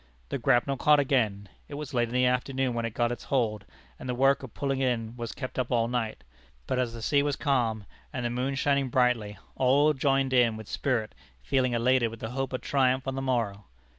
The grapnel caught again. It was late in the afternoon when it got its hold, and the work of pulling in was kept up all night. But as the sea was calm and the moon shining brightly, all joined in it with spirit, feeling elated with the hope of triumph on the morrow.